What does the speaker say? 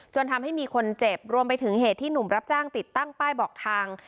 ทำให้มีคนเจ็บรวมไปถึงเหตุที่หนุ่มรับจ้างติดตั้งป้ายบอกทาง